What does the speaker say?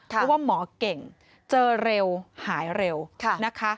เพราะว่าหมอเก่งเจอเร็วหายเร็วนะคะ